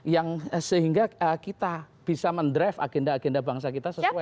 yang sehingga kita bisa mendraft agenda agenda bangsa kita sesuai dengan itu